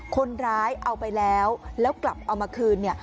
คนร้ายเอาไปแล้วแล้วกลับเอามาคืนเนี่ย